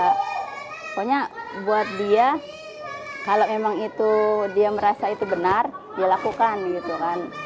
pokoknya buat dia kalau emang itu dia merasa itu benar dia lakukan gitu kan